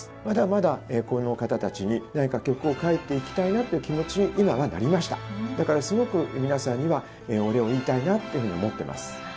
まだまだこの方たちに何か曲を書いていきたいなという気持ちに今はなりましただからすごく皆さんにはお礼を言いたいなっていうふうに思ってます